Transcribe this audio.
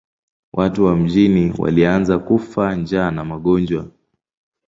Watu wa mjini walianza kufa njaa na magonjwa.